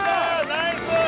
ナイス！